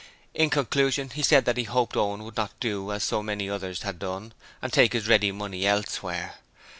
In conclusion, he said that he hoped Owen would not do as so many others had done and take his ready money elsewhere.